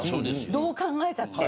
どう考えたって。